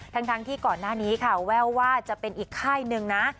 ทั้งที่ก่อนหน้านี้ค่ะแววว่าจะเป็นอีกค่ายหนึ่งนะ